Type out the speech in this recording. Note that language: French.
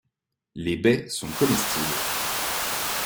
Les baies sont comestibles.